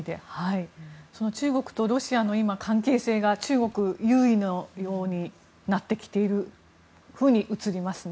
中国とロシアの関係性が中国優位のようになってきているふうに映りますね。